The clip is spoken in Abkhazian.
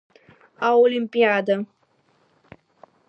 Аолимпиада…